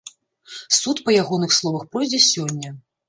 Суд, па ягоных словах, пройдзе сёння.